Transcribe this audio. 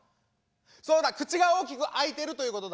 そうだ口が大きく開いているということだ。